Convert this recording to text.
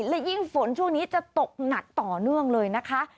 และยิ่งฝนช่วงนี้จะตกหนักต่อเนื่องเลยนะคะ